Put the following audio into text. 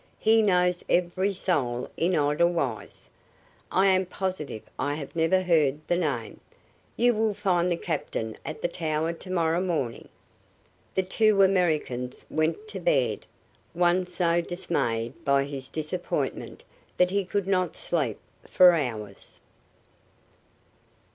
He knows every soul in Edelweiss. I am positive I have never heard the name. You will find the Captain at the Tower to morrow morning." The two Americans went to bed, one so dismayed by his disappointment that he could not sleep for hours.